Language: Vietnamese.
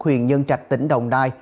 huyền nhân trạch tỉnh đồng nai